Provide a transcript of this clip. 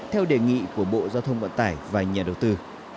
theo đề nghị của bộ giao thông vận tải và nhà đầu tư